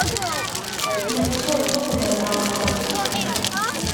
Ma ttuɣ tuqqda n leɛmer-iw.